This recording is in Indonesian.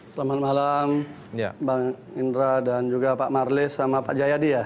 selamat malam bang indra dan juga pak marlis sama pak jayadi ya